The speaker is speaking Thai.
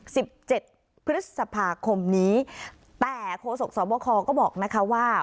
สิบเจ็ดพฤษภาคมนี้แต่โฆษกสอบคอก็บอกนะคะว่า